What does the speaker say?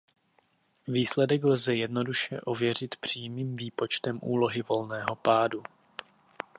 Výsledek lze jednoduše ověřit přímým výpočtem úlohy volného pádu.